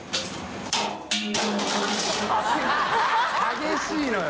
激しいのよ。